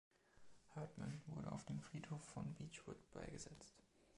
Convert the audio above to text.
Hurdman wurde auf dem Friedhof von Beechwood beigesetzt.